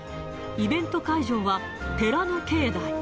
イベント会場は、寺の境内。